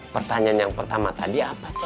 pertanyaan yang pertama tadi apa